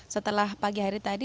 setelah pagi hari tadi